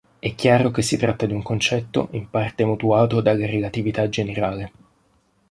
È chiaro che si tratta di un concetto in parte mutuato dalla relatività generale.